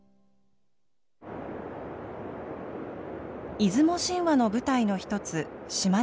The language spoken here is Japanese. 出雲神話の舞台の一つ島根半島。